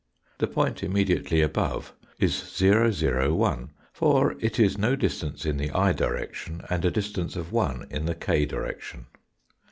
The point immediately above is 001, for it is no dis tance in the i direction, and a distance of 1 in the k direction.